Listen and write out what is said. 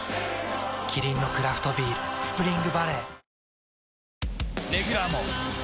キリンのクラフトビール「スプリングバレー」